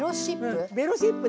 「ベロシップ」？